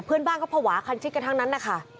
เพื่อนบ้านก็ภาวะคันชิดกันทั้งนั้นนะคะ